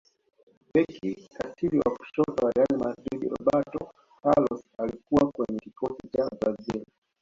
beki katili wa kushoto wa real madrid roberto carlos alikuwa kwenye kikosi cha brazil